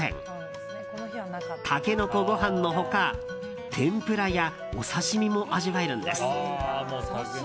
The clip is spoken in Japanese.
タケノコご飯の他天ぷらやお刺し身も味わえるんです。